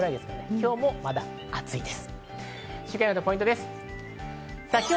今日もまだ暑いです。